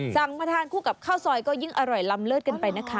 สั่งมาทานคู่กับข้าวซอยก็ยิ่งอร่อยลำเลิศกันไปนะคะ